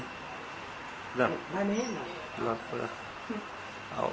เอาแหวนให้มุมทีกลายไว้